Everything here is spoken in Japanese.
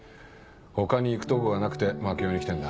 他に行くとこがなくて槙尾に来てんだ。